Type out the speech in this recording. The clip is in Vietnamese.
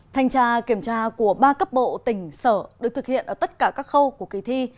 thanh tra kiểm tra của ba cấp bộ tỉnh sở được thực hiện ở tất cả các khâu của kỳ thi